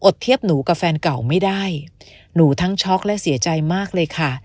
เทียบหนูกับแฟนเก่าไม่ได้หนูทั้งช็อกและเสียใจมากเลยค่ะ